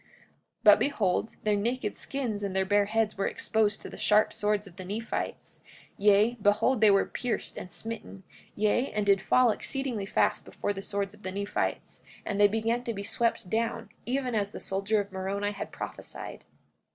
44:18 But behold, their naked skins and their bare heads were exposed to the sharp swords of the Nephites; yea, behold they were pierced and smitten, yea, and did fall exceedingly fast before the swords of the Nephites; and they began to be swept down, even as the soldier of Moroni had prophesied.